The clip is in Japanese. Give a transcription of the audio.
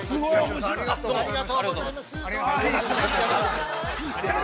◆ありがとうございます。